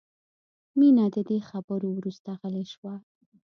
مینه د دې خبرو وروسته غلې شوه